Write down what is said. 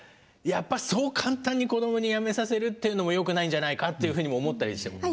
やっぱそう簡単に子どもにやめさせるっていうのもよくないんじゃないかっていうふうにも思ったりして。